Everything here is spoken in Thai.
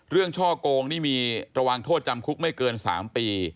ช่อกงนี่มีระวังโทษจำคุกไม่เกิน๓ปี